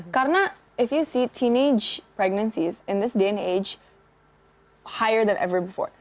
karena kalau anda melihat kemurahan kecil di saat ini lebih tinggi dari sebelumnya